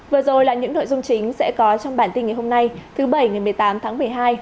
vừa rồi là những nội dung chính sẽ có trong bản tin ngày hôm nay thứ bảy ngày một mươi tám tháng một mươi hai